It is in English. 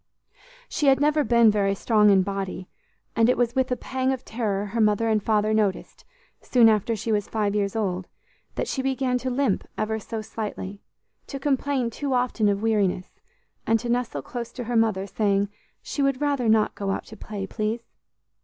She had never been very strong in body, and it was with a pang of terror her mother and father noticed, soon after she was five years old, that she began to limp, ever so slightly; to complain too often of weariness, and to nestle close to her mother, saying she "would rather not go out to play, please."